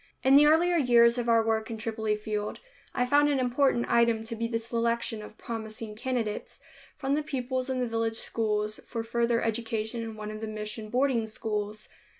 In the earlier years of our work in Tripoli field, I found an important item to be the selection of promising candidates from the pupils in the village schools for further education in one of the mission boarding schools.